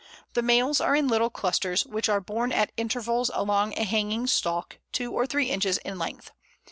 The males are in little clusters, which are borne at intervals along a hanging stalk, two or three inches in length.